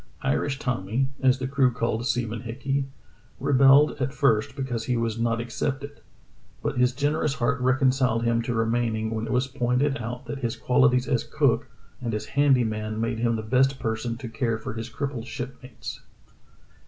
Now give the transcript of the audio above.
Irish Tommy, as the crew called Seaman Hickey, rebelled at first because he was not accepted, but his generous heart reconciled him to remaining when it was pointed out that his qualities as cook and as handy man made him the best person to care for his crippled ship mates.